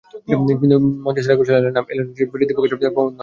কিন্তু মঞ্চে শ্রেয়া ঘোষাল এলেন না, এলেন শিল্পী হৃষিকেশ প্রমোদ রনদে।